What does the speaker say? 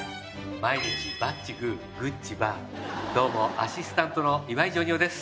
毎日バッチグーグッチバーどうもアシスタントの岩井ジョニ男です。